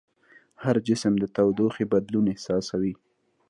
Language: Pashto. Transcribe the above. هر جسم د تودوخې بدلون احساسوي.